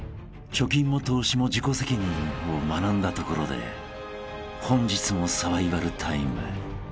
［貯金も投資も自己責任を学んだところで本日もサバイバルタイム］